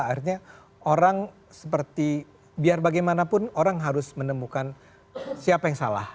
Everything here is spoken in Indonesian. akhirnya orang seperti biar bagaimanapun orang harus menemukan siapa yang salah